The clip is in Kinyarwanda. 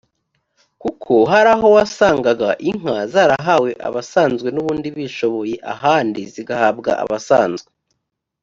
kuko hari aho wasanganga inka zarahawe abasanzwe n ubundi bishoboye ahandi zigahabwa abasanzwe